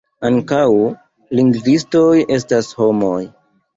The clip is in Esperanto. Ankaŭ lingvistoj estas homoj.